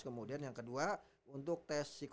kemudian yang kedua untuk tes